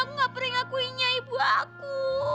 gak pernah ngakuinnya ibu aku